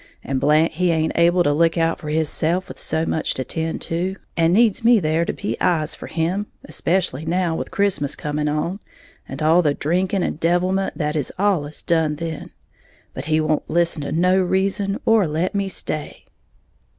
And Blant he haint able to look out for hisself with so much to tend to, and needs me there to be eyes for him, especially now, with Christmas coming on, and all the drinking and devilment that is allus done then. But he won't listen to no reason, or let me stay."